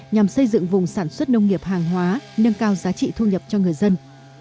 nhằm xây dựng vùng sản xuất nông nghiệp hàng hóa nâng cao giá trị thu nhập cho người dân